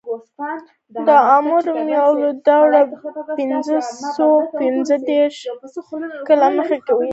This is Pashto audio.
د عامو رومیانو دوره پنځه سوه پنځه دېرش کاله مخکې وه.